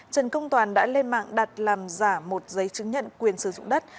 trần công toàn đã lên mạng đặt làm giả một giấy chứng nhận quyền sử dụng đất